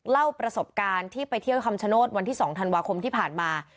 เล่าประสบการณ์ที่ไปเที่ยวคำชโนธวันที่๒ธันวาคมที่ผ่านมา